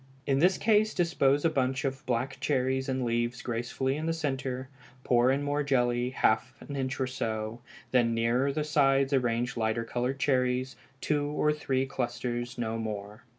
In this case dispose a bunch of black cherries and leaves gracefully in the centre, pour in more jelly, half an inch or so, then nearer the sides arrange lighter colored cherries, two or three clusters, no more.